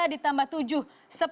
tiga ditambah tujuh